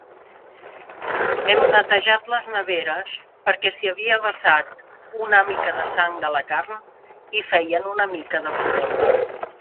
Hem netejat les neveres perquè s'hi havia vessat una mica de sang de la carn i feien una mica de pudor.